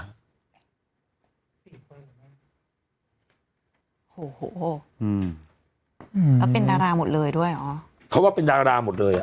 โอ้โหอืมแล้วเป็นดาราหมดเลยด้วยเหรอเขาว่าเป็นดาราหมดเลยอ่ะ